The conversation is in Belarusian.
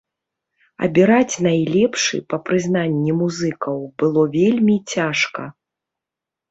Абіраць найлепшы, па прызнанні музыкаў, было вельмі цяжка.